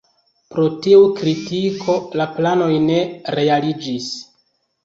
Pro tiu kritiko la planoj ne realiĝis.